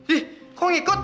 ih kok ngikut